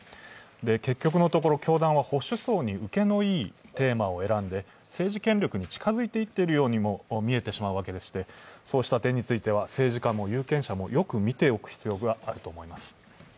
結局のところ教団は保守層に受けのいいテーマを選んで政治権力に近づいていっているようにも見えてしまうわけで、そうした点については、政治家も有権者もよく見ておく必要があると思います。